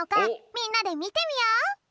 みんなでみてみよう！